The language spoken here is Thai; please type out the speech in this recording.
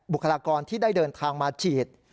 คลากรที่ได้เดินทางมาฉีด